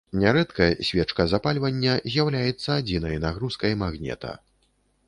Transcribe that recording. Нярэдка свечка запальвання з'яўляецца адзінай нагрузкай магнета.